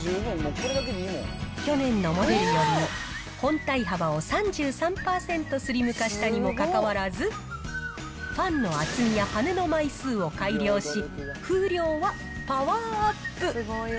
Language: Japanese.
去年のモデルより本体幅を３３％スリム化したにもかかわらず、ファンの厚みや羽根の枚数を改良し、風量はパワーアップ。